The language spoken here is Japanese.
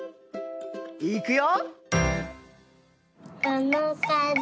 いくよ！